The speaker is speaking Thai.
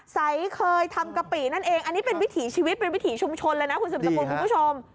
ใสเคยทำกะปินั่นเองอันนี้เป็นวิถีชีวิตเป็นวิถีชุมชนเลยนะคุณสืบสกุลคุณผู้ชม